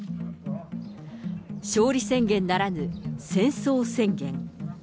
勝利宣言ならぬ、戦争宣言。